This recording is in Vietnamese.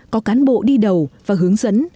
có cán bộ đi đầu và hướng dẫn